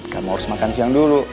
kamu harus makan siang dulu